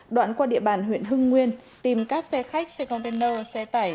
đoạn qua địa bàn huyện hưng nguyên tìm các xe khách xe container xe tải